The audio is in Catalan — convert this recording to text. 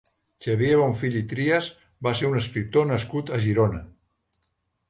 Xavier Bonfill i Trias va ser un escriptor nascut a Girona.